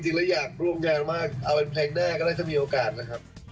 จริงแล้วอยากร่วมใจมากเอาเป็นเพลงได้ก็ได้ถ้ามีโอกาสนะครับ